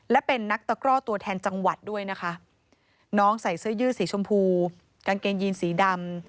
และเป็นนักตะกร่อตัวแทนจังหวัดด้วยนะคะน้องใส่เสื้อยืดสีชมพูกางเกงยีนสีดำ